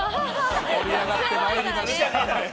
盛り上がってまいりました。